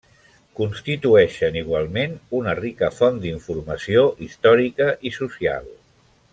Constitueixen igualment una rica font d'informació històrica i social.